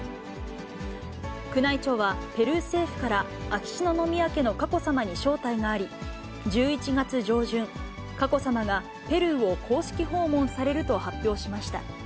宮内庁は、ペルー政府から秋篠宮家の佳子さまに招待があり、１１月上旬、佳子さまがペルーを公式訪問されると発表しました。